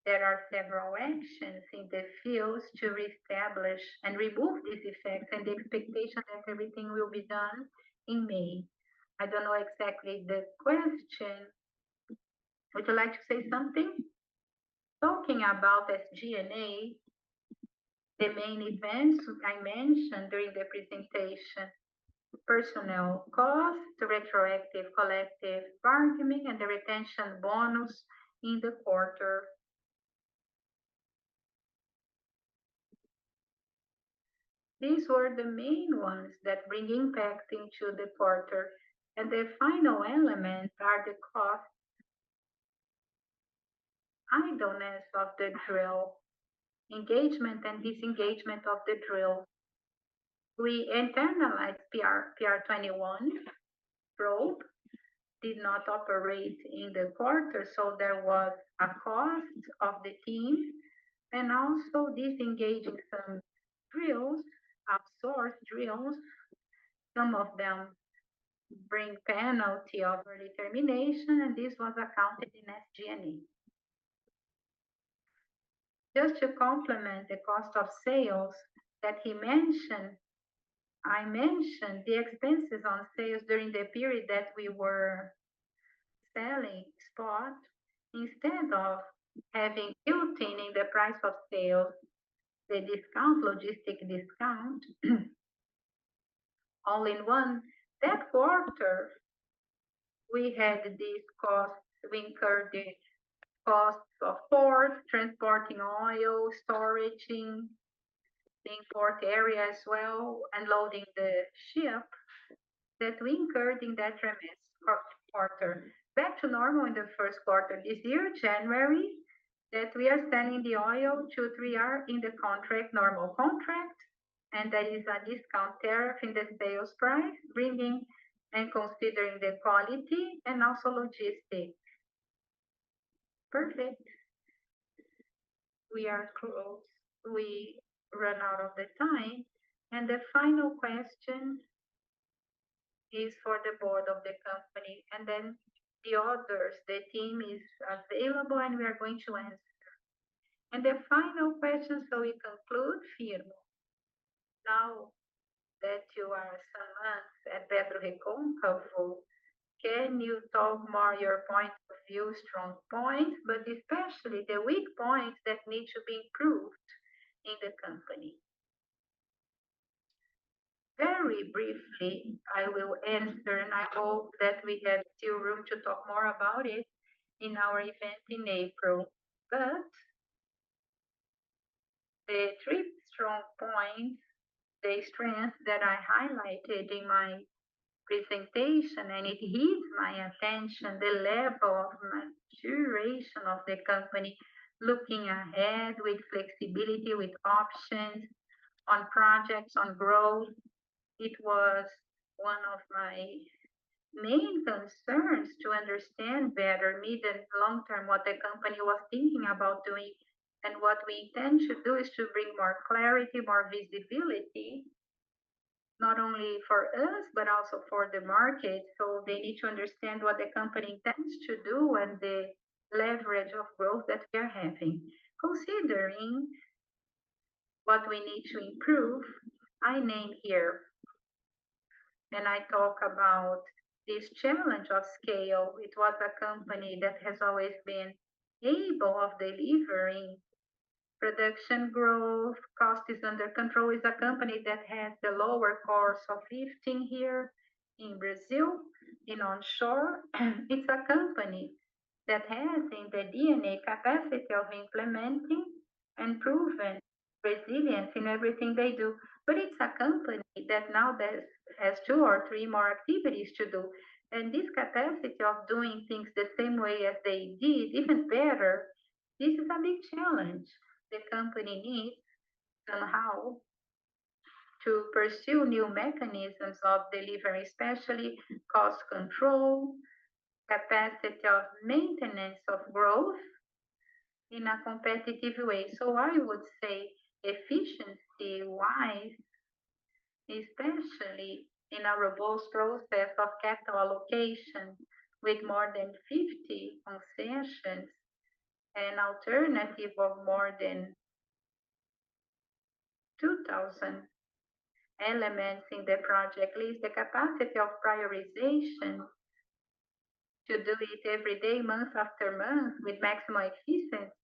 There are several actions in the fields to reestablish and remove these effects, and the expectation that everything will be done in May. I don't know exactly the question. Would you like to say something? Talking about SG&A, the main events I mentioned during the presentation: personnel cost, retroactive collective bargaining, and the retention bonus in the quarter. These were the main ones that bring impact into the quarter. And the final elements are the idleness cost of the drill, engagement and disengagement of the drill. We internalized PR-21 rig. Did not operate in the quarter, so there was a cost of the team. And also disengaging some drills, outsourced drills. Some of them bring penalty of early termination, and this was accounted in SG&A. Just to complement the cost of sales that he mentioned, I mentioned the expenses on sales during the period that we were selling spot. Instead of having built-in in the price of sale, the discount, logistic discount, all in one, that quarter we had these costs. We incurred these costs of port, transporting oil, storage, being port area as well, and loading the ship that we incurred in that quarter. Back to normal in the first quarter. This year, January, that we are selling the oil to 3R in the contract, normal contract, and there is a discount tariff in the sales price, bringing and considering the quality and also logistics. Perfect. We are close. We run out of the time. And the final question is for the board of the company and then the others. The team is available, and we are going to answer. The final question, so we conclude, Firmo. Now that you are some months at PetroReconcavo, can you talk more your point of view, strong points, but especially the weak points that need to be improved in the company? Very briefly, I will answer, and I hope that we have still room to talk more about it in our event in April. The three strong points, the strengths that I highlighted in my presentation, and it hit my attention, the level of maturation of the company looking ahead with flexibility, with options on projects, on growth. It was one of my main concerns to understand better, meet in the long term, what the company was thinking about doing. What we intend to do is to bring more clarity, more visibility, not only for us, but also for the market. So they need to understand what the company intends to do and the leverage of growth that we are having. Considering what we need to improve, I name here, and I talk about this challenge of scale. It was a company that has always been able of delivering production growth. Cost is under control. It's a company that has the lowest cost of lifting here in Brazil, onshore. It's a company that has in the DNA capacity of implementing and proven resilience in everything they do. But it's a company that now has two or three more activities to do. And this capacity of doing things the same way as they did, even better, this is a big challenge. The company needs somehow to pursue new mechanisms of delivery, especially cost control, capacity of maintenance of growth in a competitive way. So I would say efficiency-wise, especially in a robust process of capital allocation with more than 50 concessions and alternative of more than 2,000 elements in the project, least the capacity of prioritization to do it every day, month after month, with maximum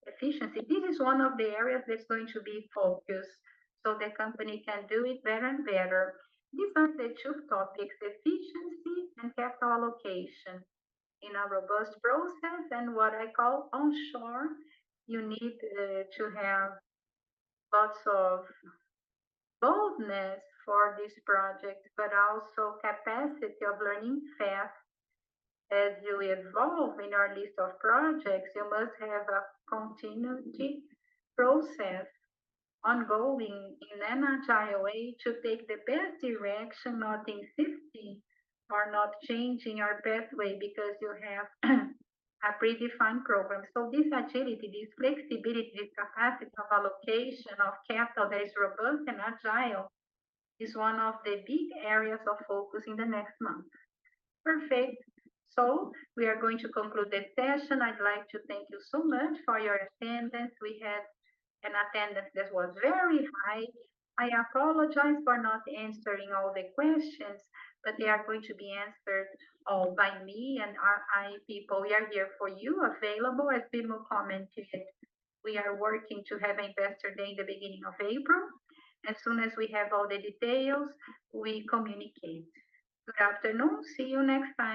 efficiency. This is one of the areas that's going to be focused so the company can do it better and better. These are the two topics: efficiency and capital allocation in a robust process. And what I call onshore, you need to have lots of boldness for this project, but also capacity of learning fast. As you evolve in our list of projects, you must have a continuity process ongoing in an agile way to take the best direction, not insisting or not changing our pathway because you have a predefined program. So this agility, this flexibility, this capacity of allocation of capital that is robust and agile is one of the big areas of focus in the next month. Perfect. So we are going to conclude the session. I'd like to thank you so much for your attendance. We had an attendance that was very high. I apologize for not answering all the questions, but they are going to be answered all by me and our IR people. We are here for you, available as Firmo commented. We are working to have an investor day in the beginning of April. As soon as we have all the details, we communicate. Good afternoon. See you next time.